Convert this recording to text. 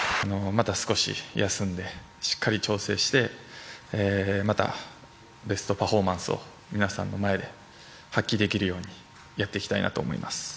また少し休んでしっかり調整してまた、ベストパフォーマンスを皆さんの前で発揮できるようにやっていきたいなと思います。